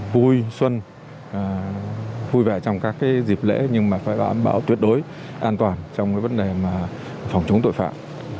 vui xuân vui vẻ trong các dịp lễ nhưng phải bảo an toàn trong vấn đề phòng chống tội phạm